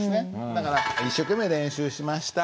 だから「一生懸命練習しました。